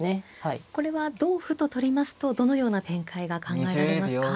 これは同歩と取りますとどのような展開が考えられますか。